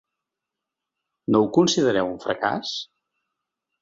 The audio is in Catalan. No ho considereu un fracàs?